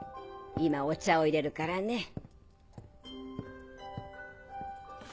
今お茶を入れるからね。